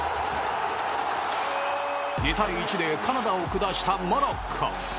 ２対１でカナダを下したモロッコ。